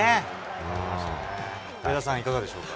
上田さん、いかがでしょうか。